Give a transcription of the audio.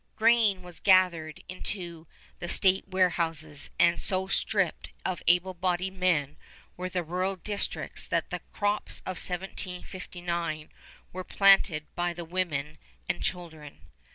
Grain was gathered into the state warehouses, and so stripped of able bodied men were the rural districts that the crops of 1759 were planted by the women and children.